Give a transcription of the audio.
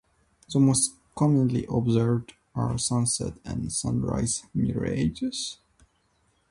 The most commonly observed are sunset and sunrise mirages.